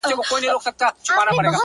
نن داخبره درلېږمه تاته،